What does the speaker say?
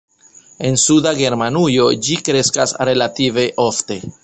En suda Germanujo ĝi kreskas relative ofte.